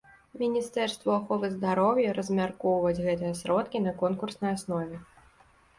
Міністэрству аховы здароўя размяркоўваць гэтыя сродкі на конкурснай аснове.